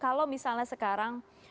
kalau misalnya sekarang